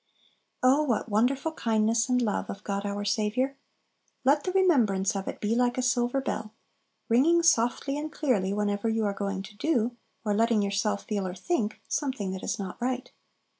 Oh, what wonderful "kindness and love of God our Saviour!" Let the remembrance of it be like a silver bell, ringing softly and clearly whenever you are going to do, or letting yourself feel or think, something that is not right.